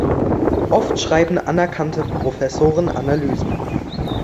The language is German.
Oft schreiben anerkannte Professoren Analysen.